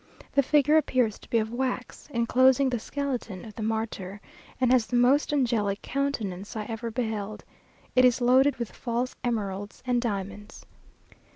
The figure appears to be of wax, enclosing the skeleton of the martyr, and has the most angelic countenance I ever beheld. It is loaded with false emeralds and diamonds.